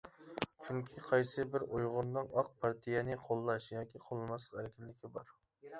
چۈنكى قايسى بىر ئۇيغۇرنىڭ ئاق پارتىيەنى قوللاش ياكى قوللىماسلىق ئەركىنلىكى بار.